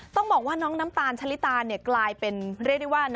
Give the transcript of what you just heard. ต้องบอกว่าน้องน้ำตาลชะลิตากลายเป็นเรียกได้ว่า